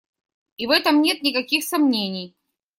И в этом нет никаких сомнений.